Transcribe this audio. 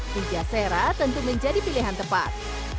pijasera tentu menjadi pilihan tepat